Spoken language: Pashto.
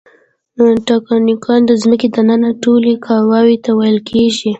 تکتونیک د ځمکې دننه ټولو قواوو ته ویل کیږي.